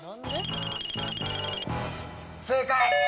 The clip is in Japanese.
正解！